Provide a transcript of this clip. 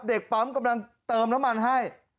เด็กปั๊มกำลังเติมน้ำมันให้